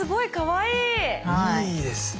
いいですね。